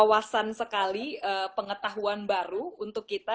wawasan sekali pengetahuan baru untuk kita